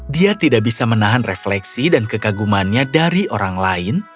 dia tidak bisa menahan refleksi dan kekagumannya dari orang lain